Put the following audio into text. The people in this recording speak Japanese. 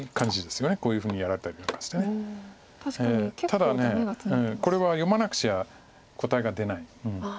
ただこれは読まなくちゃ答えが出ない。